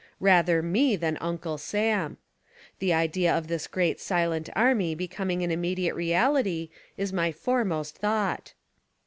Rather me than UNCLE SAM. The idea of this great "silent army" becoming an immediate reality is my foremost thought.